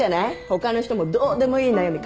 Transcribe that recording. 他の人もどうでもいい悩み